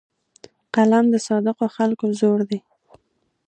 قلم د صادقو خلکو زور دی